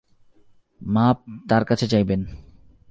মাপ তাঁর কাছে চাইবেন।